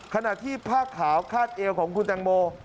ขณะที่ผ้าขาวคาดเอวของคุณแตงโม